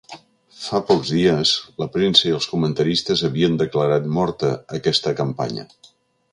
Fa pocs dies, la premsa i els comentaristes havien declarat morta aquesta campanya.